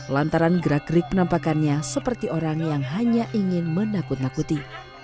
lantaran gerak gerik penampakannya seperti orang yang hanya ingin menakut nakuti